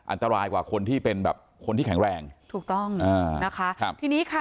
อันตรายกว่าคนที่เป็นแบบคนที่แข็งแรงถูกต้องอ่านะคะครับทีนี้ค่ะ